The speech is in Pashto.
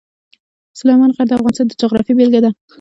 سلیمان غر د افغانستان د جغرافیې بېلګه ده.